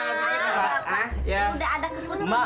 ah bagaimana bapak